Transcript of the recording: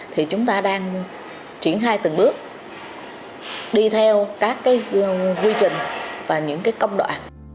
thì chúng ta đang chuyển hai tầng bước đi theo các cái quy trình và những cái công đoạn